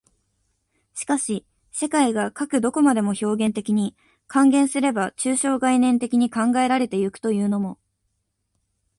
しかし世界がかく何処までも表現的に、換言すれば抽象概念的に考えられて行くというのも、